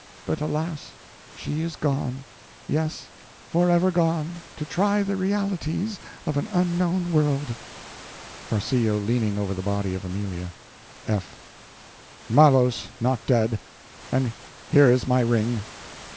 But, alas! she is gone yes, forever gone, to try the realities of an unknown world! (Farcillo leaning over the body of Amelia.) F. Malos not dead, and here is my ring!